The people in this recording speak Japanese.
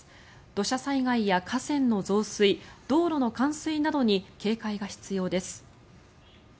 土砂災害や河川の増水道路の冠水などに警戒が必要です。